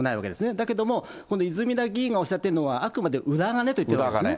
だけども、この泉田議員がおっしゃっているのはあくまで裏金と言ってるわけですよね。